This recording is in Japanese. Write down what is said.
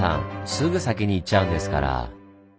すぐ先に言っちゃうんですから。